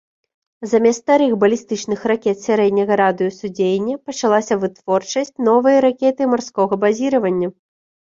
Замест старых балістычных ракет сярэдняга радыусу дзеяння пачалася вытворчасць новай ракеты марскога базіравання.